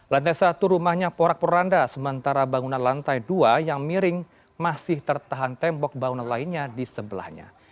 lantai satu rumahnya porak poranda sementara bangunan lantai dua yang miring masih tertahan tembok bangunan lainnya di sebelahnya